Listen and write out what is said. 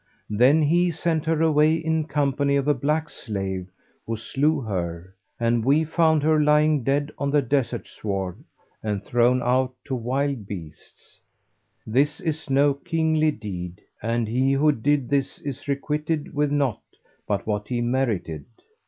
Then he[FN#377] sent her away in company of a black slave who slew her, and we found her lying dead on the desert sward and thrown out to wild beasts. This be no kingly deed, and he who did this is requited with naught but what he merited.